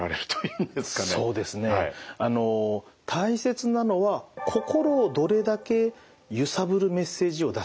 そうですね大切なのは心をどれだけゆさぶるメッセージを出せるかと。